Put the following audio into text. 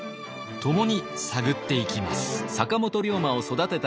共に探っていきます。